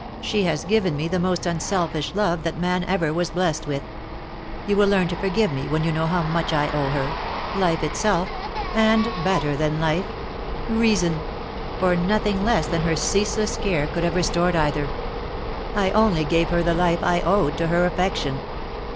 She has given me the most unselfish love that man ever was blessed with. You will learn to forgive me when you know how much I owe her — life itself — and better than life, reason; for nothing less than her ceaseless care could have restored either. I only gave her the life I owed to her affection."